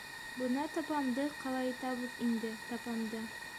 — Бына тапамды ҡалайтабыҙ инде, тапамды.